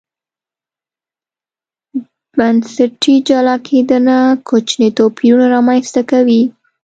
بنسټي جلا کېدنه کوچني توپیرونه رامنځته کوي.